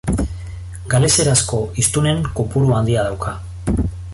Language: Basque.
Galeserazko hiztunen kopuru handia dauka.